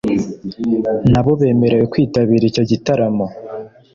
nabo bemerewe kwitabira icyo gitaramo